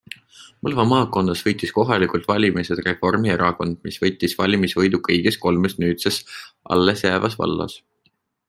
Põlva maakonnas võitis kohalikud valimised Reformierakond, mis võttis valimisvõidu kõigis kolmes nüüdseks allesjäävas vallas.